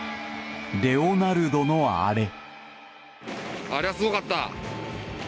レオナルドのあれ。